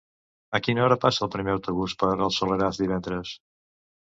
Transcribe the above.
A quina hora passa el primer autobús per el Soleràs divendres?